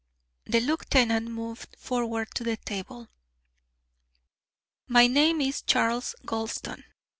The lieutenant moved forward to the table: "My name is Charles Gulston.